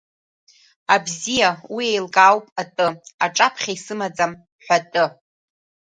Абзиа, уи еилкаауп атәы, аҿаԥхьа исымаӡам ҳәатәы.